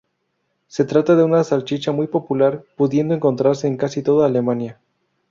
Se trata de una salchicha muy popular, pudiendo encontrarse en casi toda Alemania.